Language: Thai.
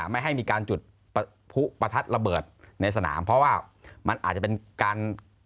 ไม่ให้มีการจุดผู้ประทัดระเบิดในสนามเพราะว่ามันอาจจะเป็นการ